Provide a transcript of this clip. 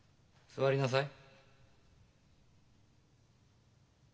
座りなさい。